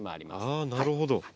あなるほど。